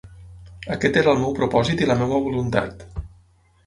Aquest era el meu propòsit i la meva voluntat.